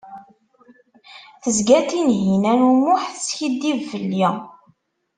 Tezga Tinhinan u Muḥ teskidib fell-i.